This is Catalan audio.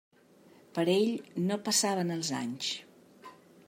Per ell no passaven els anys.